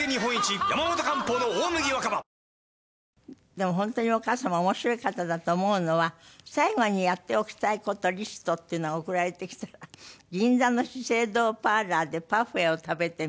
でも本当にお母様面白い方だと思うのは最後にやっておきたい事リストっていうのが送られてきたら銀座の資生堂パーラーでパフェを食べてみたい。